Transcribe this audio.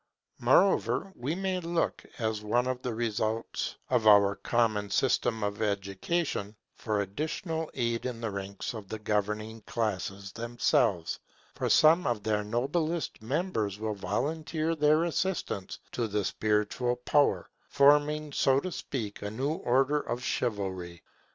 Moreover, we may look, as one of the results of our common system of education, for additional aid in the ranks of the governing classes themselves; for some of their noblest members will volunteer their assistance to the spiritual power, forming, so to speak, a new order of chivalry.